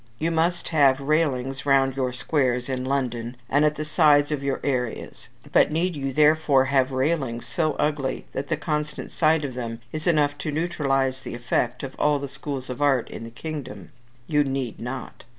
You must have railings round your squares in London, and at the sides of your areas; but need you therefore have railings so ugly that the constant sight of them is enough to neutralise the effect of all the schools of art in the kingdom? You need not.